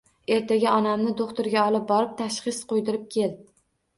Ertaga onamni do`xtirga olib borib, tashxis qo`ydirib kel